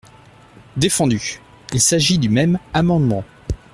Défendu : il s’agit du même amendement.